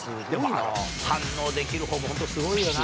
反応できるほうもホントすごいよな。